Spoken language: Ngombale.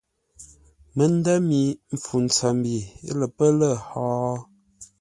Məndə̂ mi mpfu ntsəmbi lə́ pə́ lə̂ hó?